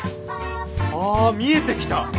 あ見えてきた。